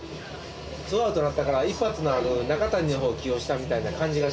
２アウトなったから１発のある中谷の方を起用したみたいな感じがしますけどね。